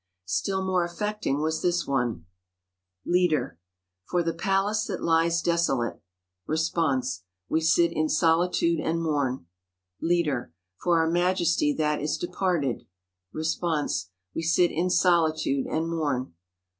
Still more affecting was this one: Leader — For the palace that lies desolate. Response — We sit in solitude and mourn. Leader — For our Majesty that is departed. Response — We sit in solitude and mourn.